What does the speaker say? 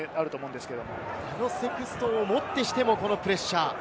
あのセクストンをもってしても、このプレッシャー。